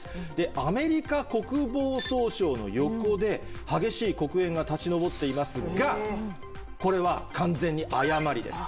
アメリカ国防総省の横で激しい黒煙が立ち上っていますがこれは完全に誤りです。